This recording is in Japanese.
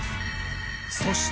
そして。